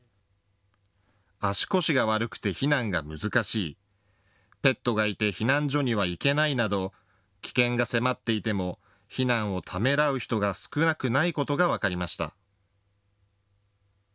足腰が悪くて避難が難しい、ペットがいて避難所には行けないなど危険が迫っていても避難をためらう人が少なくないことが分かりました。